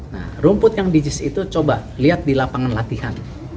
nah rumput yang di jis itu coba lihat di lapangan latihan